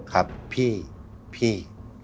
ครับพี่